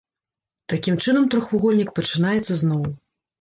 Такім чынам трохвугольнік пачынаецца зноў.